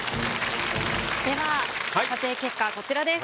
では査定結果こちらです。